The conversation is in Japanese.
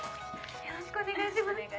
よろしくお願いします。